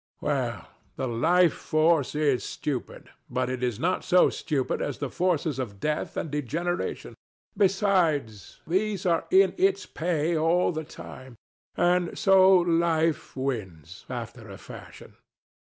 DON JUAN. Well, the Life Force is stupid; but it is not so stupid as the forces of Death and Degeneration. Besides, these are in its pay all the time. And so Life wins, after a fashion.